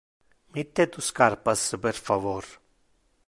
Mitte tu scarpas, per favor.